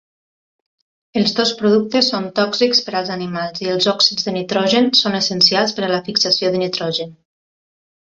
Els dos productes són tòxics per als animals i els òxids de nitrogen són essencials per a la fixació de nitrogen.